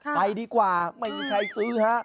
ไปดีกว่าไม่มีใครซื้อฮะ